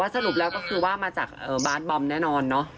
สรุปแล้วก็คือว่ามาจากบาสบอมแน่นอนเนอะ